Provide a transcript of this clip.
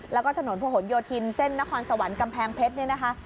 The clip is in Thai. แล้วก็ถนนผนโยธินเส้นนครสวรรค์กำแพงเพชรเนี่ยนะคะ